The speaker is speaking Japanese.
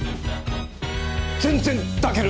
全然抱ける！